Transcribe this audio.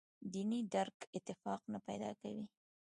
دیني درک اتفاق نه پیدا شي.